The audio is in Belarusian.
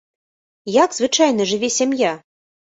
Як звычайна жыве сям'я?